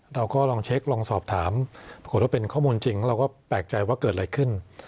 เราก็ลองเช็คลองสอบถามปรากฏว่าเป็นข้อมูลจริงแล้วเราก็แปลกใจว่าเกิดอะไรขึ้น